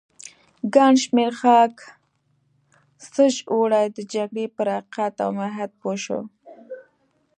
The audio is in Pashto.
ګڼ شمېر خلک سږ اوړی د جګړې پر حقیقت او ماهیت پوه شول.